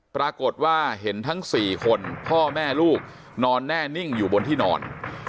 ปรากฏว่าเห็นทั้ง๔คนพ่อแม่ลูกนอนแน่นิ่งอยู่บนที่นอน